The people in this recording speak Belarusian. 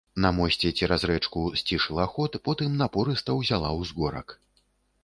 На мосце цераз рэчку сцішыла ход, потым напорыста ўзяла ўзгорак.